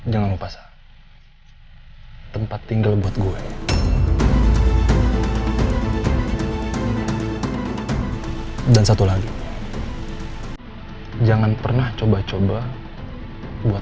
jangan lupa saya tempat tinggal buat gue dan satu lagi jangan pernah coba coba buat